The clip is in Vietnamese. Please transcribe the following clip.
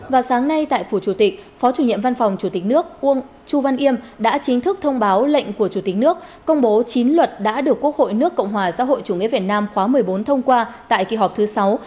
và sáng nay tại phủ chủ tịch phó chủ nhiệm văn phòng chủ tịch nước chu văn yêm đã chính thức thông báo lệnh của chủ tịch nước công bố chín luật đã được quốc hội nước cộng hòa xã hội chủ nghĩa việt nam khóa một mươi bốn thông qua tại kỳ họp thứ sáu